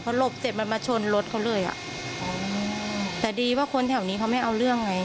หลบเสร็จมันมาชนรถเขาเลยอ่ะแต่ดีว่าคนแถวนี้เขาไม่เอาเรื่องไง